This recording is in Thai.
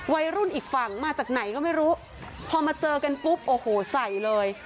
อีกฝั่งมาจากไหนก็ไม่รู้พอมาเจอกันปุ๊บโอ้โหใส่เลย